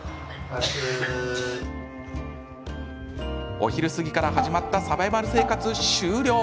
お昼過ぎから始まったサバイバル生活、終了。